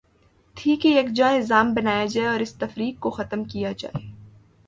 تھی کہ یکجا نظا م بنایا جائے اور اس تفریق کو ختم کیا جائے۔